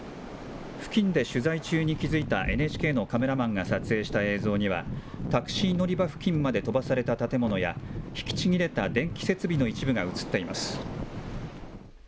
付近で取材中に気付いたＮＨＫのカメラマンが撮影した映像には、タクシー乗り場付近まで飛ばされた建物や、引きちぎれた電気設備の一部が写っています。